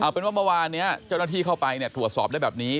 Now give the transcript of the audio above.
เป็นว่าเมื่อวานนี้เจ้าหน้าที่เข้าไปตรวจสอบได้แบบนี้